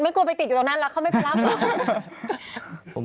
ไม่กลัวไปติดอยู่ตรงนั้นแล้วเขาไม่พร้อม